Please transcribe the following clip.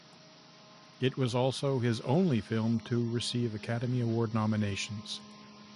It was also his only film to receive Academy Award nominations.